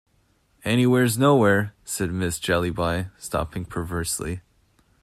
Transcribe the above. "Anywhere's nowhere," said Miss Jellyby, stopping perversely.